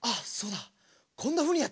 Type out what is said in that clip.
こんなふうにやってたな。